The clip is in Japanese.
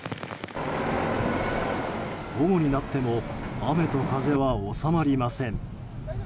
午後になっても雨と風は収まりません。